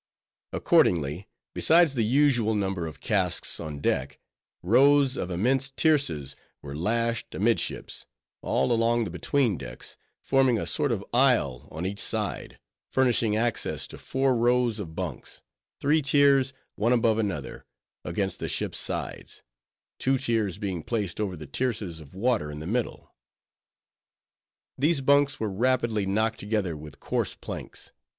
Accordingly, besides the usual number of casks on deck, rows of immense tierces were lashed amid ships, all along the between decks, forming a sort of aisle on each side, furnishing access to four rows of bunks,—three tiers, one above another,—against the ship's sides; two tiers being placed over the tierces of water in the middle. These bunks were rapidly knocked together with coarse planks.